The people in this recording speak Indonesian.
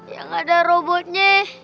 yang ada robotnya